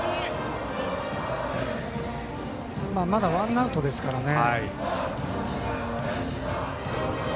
まだワンアウトですからね。